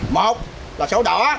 một là chỗ đó